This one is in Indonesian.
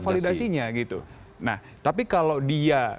validasinya gitu nah tapi kalau dia